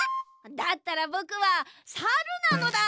だったらぼくはサルなのだ！